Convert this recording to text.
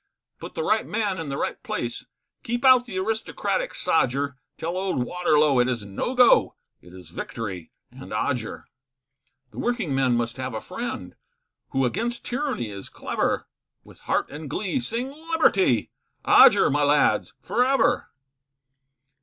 Put the right man in the right place, Keep out the aristocratic sodger Tell old Waterlow it is no go It is victory and Odger; The working men must have a friend, Who against tyranny is clever, With heart and glee, sing liberty, Odger, my lads, for ever.